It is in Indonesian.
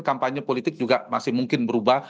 kampanye politik juga masih mungkin berubah